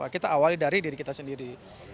kita awali dari diri kita sendiri